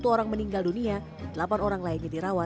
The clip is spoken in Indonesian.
satu orang meninggal dunia delapan orang lainnya dirawat